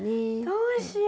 どうしよう。